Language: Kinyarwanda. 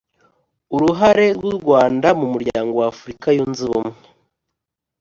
uruhare rw’u rwanda mu muryango wa afurika yunze ubumwe